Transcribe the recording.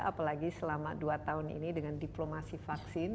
apalagi selama dua tahun ini dengan diplomasi vaksin